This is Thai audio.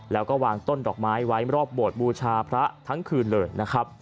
แล้วก็วางต้นดอกไม้ไว้รอบโบสถบูชาพระทั้งคืนเลยนะครับ